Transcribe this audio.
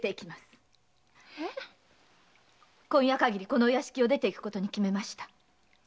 今夜かぎりこのお屋敷を出ていくことに決めました。